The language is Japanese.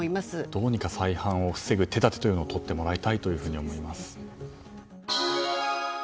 どうにか再犯を防ぐ手立てをとってもらいたいと思います。